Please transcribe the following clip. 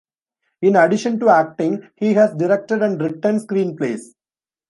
In addition to acting, he has directed and written screenplays.